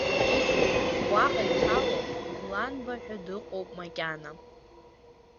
Иҷкәын, уаҟа иҭало, гәланба ҳәа дыҟоуп макьана…